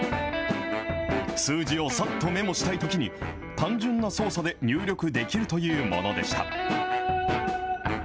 数字をさっとメモしたいときに、単純な操作で入力できるというものでした。